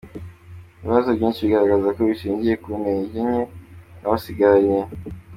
Ibibazo byinshi bagaragaza ko bishingiye ku ntege nke baba basigaranye.